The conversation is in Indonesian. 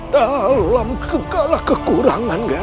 dalam segala kekurangan nger